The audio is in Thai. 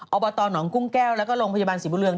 เอาบัตรหนองกุ้งแก้วแล้วก็ลงพจบันสิบุเรือง